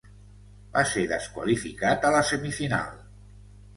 Va ser desqualificat a la semifinal.